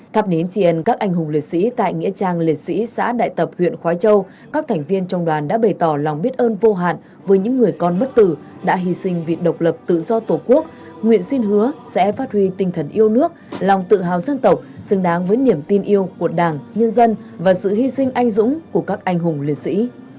trong chương trình tri ân các anh hùng liệt sĩ tại nghĩa trang liệt sĩ xã đại tập huyện khói châu các thành viên trong đoàn đã bày tỏ lòng biết ơn vô hạn với những người con bất tử đã hy sinh vì độc lập tự do tổ quốc nguyện xin hứa sẽ phát huy tinh thần yêu nước lòng tự hào dân tộc xứng đáng với niềm tin yêu của đảng nhân dân và sự hy sinh anh dũng của các anh hùng liệt sĩ